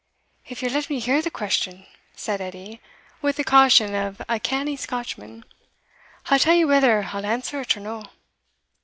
"If ye'll let me hear the question," said Edie, with the caution of a canny Scotchman, "I'll tell you whether I'll answer it or no."